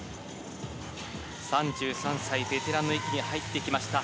３３歳、ベテランの域に入ってきました。